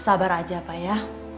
sabar aja pak ya